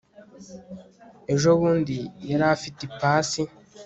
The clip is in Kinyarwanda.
ejo bundi yari afite ipasi